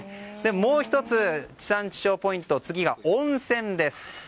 もう１つ、地産地消ポイント次が温泉です。